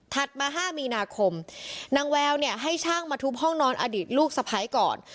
มา๕มีนาคมนางแววเนี่ยให้ช่างมาทุบห้องนอนอดีตลูกสะพ้ายก่อน